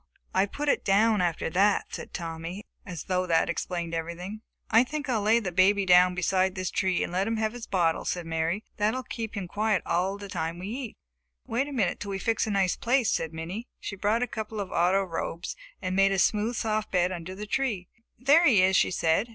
"I put it down after that," said Tommy as though that explained everything. "I think I will lay the baby down beside this tree and let him have his bottle," said Mary. "That will keep him quiet all the time we eat." "Wait a minute until we fix a nice place," said Minnie. She brought a couple of auto robes and made a smooth, soft bed under the tree. "There he is!" she said.